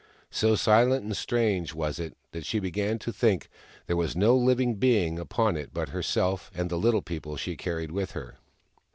So silent and strange was it that she began to think there was no living being upon it but herself and the Little People she carried with her.